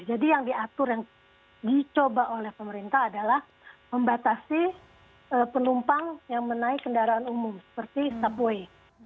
jadi yang diatur yang dicoba oleh pemerintah adalah membatasi penumpang yang menaik kendaraan umum seperti subway